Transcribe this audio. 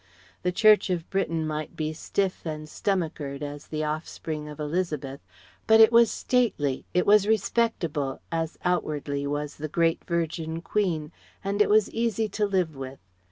The Church of Britain might be stiff and stomachered, as the offspring of Elizabeth, but it was stately, it was respectable as outwardly was the great virgin Queen and it was easy to live with.